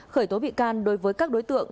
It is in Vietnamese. khởi tố bị can đối với các đối tượng